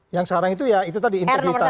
yang sekarang itu ya itu tadi integritas